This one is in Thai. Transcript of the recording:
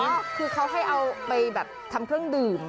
ก็คือเขาให้เอาไปแบบทำเครื่องดื่ม